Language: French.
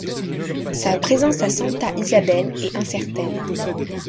Sa présence à Santa Isabel est incertaine.